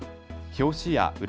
表紙や裏